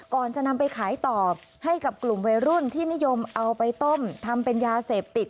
ก่อนจะนำไปขายต่อให้กับกลุ่มวัยรุ่นที่นิยมเอาไปต้มทำเป็นยาเสพติด